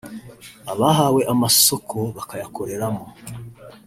abahawe amasoko bakayakoreramo